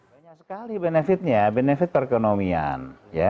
banyak sekali benefitnya benefit perekonomian